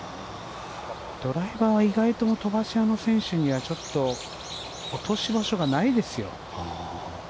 ドライバーは意外と飛ばし屋の選手にはちょっと落とし場所がないですよ。